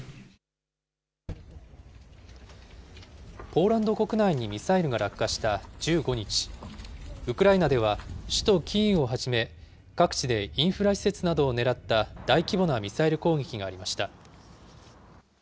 ポーランド国内にミサイルが落下した１５日、ウクライナでは首都キーウをはじめ、各地でインフラ施設などを狙った大規模なミサイル攻撃がありました。